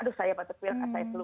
aduh saya batuk pil saya flu